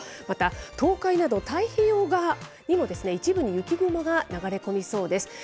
また、東海など太平洋側にもですね、一部に雪雲が流れ込みそうです。